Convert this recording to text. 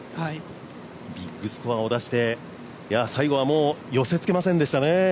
ビッグスコアを出して最後は寄せつけませんでしたね。